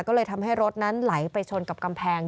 ก็เลยทำให้รถนั้นไหลไปชนกับกำแพง